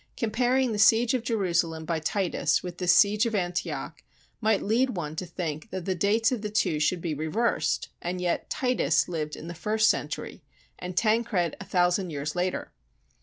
Comparing the siege of Jerusalem by Titus with this siege of Antioch might lead one to think that the dates of the two should be reversed, and yet Titus lived in the first century, and Tancred a thousand years later!